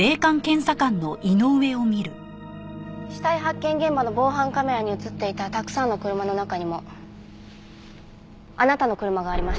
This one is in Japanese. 死体発見現場の防犯カメラに映っていたたくさんの車の中にもあなたの車がありました。